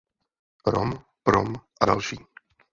Rom, Prom a další